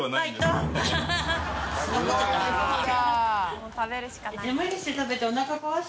もう食べるしかない。